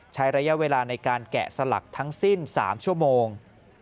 ใช้ระยะเวลาในการแกะสลักทั้งสิ้น๓ชั่วโมง